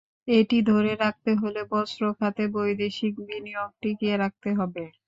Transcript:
এটি ধরে রাখতে হলে বস্ত্র খাতে বৈদেশিক বিনিয়োগ টিকিয়ে রাখতে হবে।